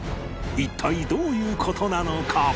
一体どういう事なのか？